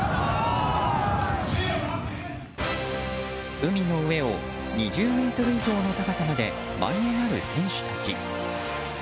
海の上を２０ｍ以上の高さまで舞い上がる選手たち。